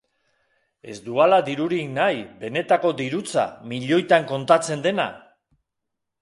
Ez duala dirurik nahi, benetako dirutza, milioitan kontatzen dena?